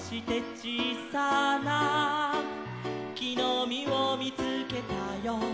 「ちいさなきのみをみつけたよ」